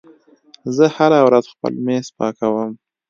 زه هره ورځ خپل میز پاکوم.